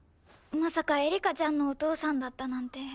まさかエリカちゃんのお父さんだったなんて。